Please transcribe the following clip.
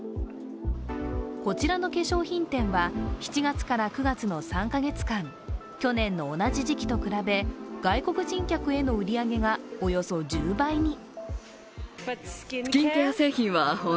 こちらの化粧品店は、７月から９月の３か月間、去年の同じ時期と比べ外国人客への売上がおよそ１０倍に。